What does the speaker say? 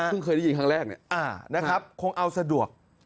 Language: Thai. ซึ่งเคยได้ยินครั้งแรกเนี่ยนะครับคงเอาสะดวก